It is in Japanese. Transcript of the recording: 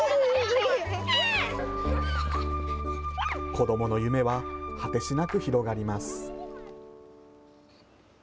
子どもの夢は、果てしなく広がります。